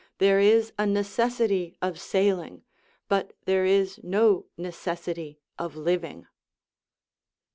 There is a necessit)• of sailing, but there is no necessitv of livini^r.